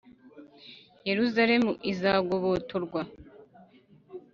Yeruzalemu izagobotorwa